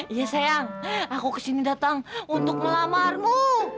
iya sayang aku kesini datang untuk melamarmu